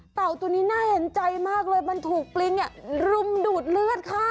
ตัวนี้น่าเห็นใจมากเลยมันถูกปลิงรุมดูดเลือดค่ะ